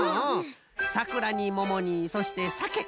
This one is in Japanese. さくらにももにそしてさけ。